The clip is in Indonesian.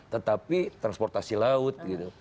tetapi transportasi laut